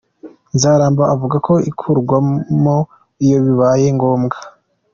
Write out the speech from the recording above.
Nzaramba avuga ko ikurwamo iyo bibaye ngombwa.